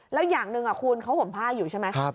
แล้วอย่างหนึ่งคุณเขาห่มผ้าอยู่ใช่ไหม